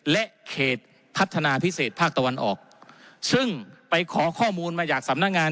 และเขตพัฒนาพิเศษภาคตะวันออกซึ่งไปขอข้อมูลมาจากสำนักงาน